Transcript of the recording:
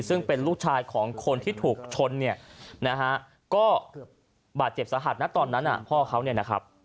ซึ่งเป็นลูกชายของคนที่ถูกชนเนี่ยนะฮะก็บาดเจ็บสาหัสนะตอนนั้นพ่อเขาเนี่ยนะครับ